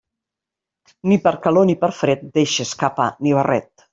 Ni per calor ni per fred, deixes capa ni barret.